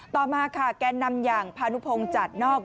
ต่อมาค่ะแกนนำอย่างพานุพงศ์จัดนอก